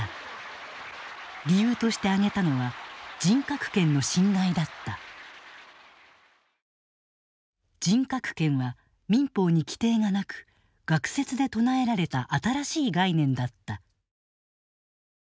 理由として挙げたのは人格権は民法に規定がなく学説で唱えられた新しい概念だった。